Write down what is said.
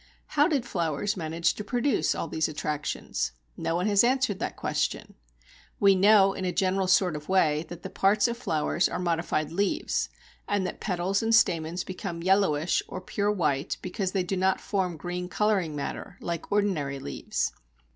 How did flowers manage to produce all these attractions? No one has answered that question. We know in a general sort of way that the parts of flowers are modified leaves, and that petals and stamens become yellowish or pure white because they do not form green colouring matter like ordinary leaves.